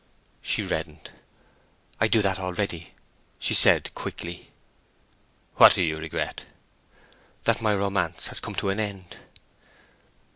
She reddened. "I do that already," she said, quickly. "What do you regret?" "That my romance has come to an end."